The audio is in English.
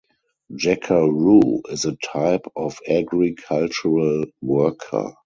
"Jackaroo" is a type of agricultural worker.